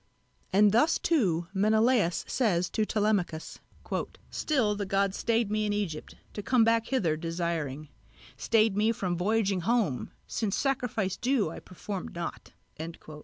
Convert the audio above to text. And thus too Menelaos says to Telemachos: "Still the gods stayed me in Egypt, to come back hither desiring, Stayed me from voyaging home, since sacrifice due I performed not."